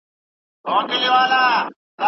ځینې خلک لونګ لرونکی چای خوښوي.